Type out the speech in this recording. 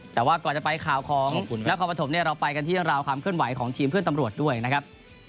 แต่ว่าก่อนจะไปข่าวของนครปฐมเนี่ยเราไปกันที่ราวความเคลื่อนไหวของทีมเพื่อนตำรวจด้วยนะครับ